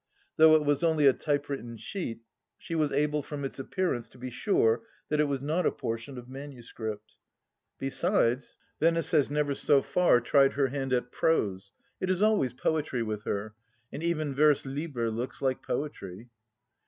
Though it was only a typewritten sheet, she was able from its appearance to be sure that it was not a portion of manuscript. Besides, 65 56 THE LAST DITCH Venice has never so far tried her hand at prose ; it is always poetry with her; and even vers litre looks like poetry.